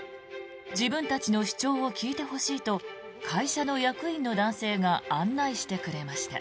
自分たちの主張を聞いてほしいと会社の役員の男性が案内してくれました。